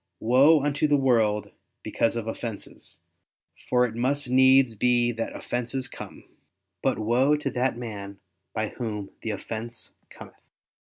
"Woe unto the world because of offenses, for it must needs be that offenses come; but woe to that man by whom the offense cometh."